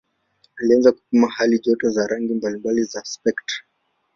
Alianza kupima halijoto za rangi mbalimbali za spektra.